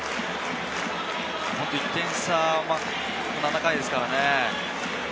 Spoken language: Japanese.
１点差、７回ですからね。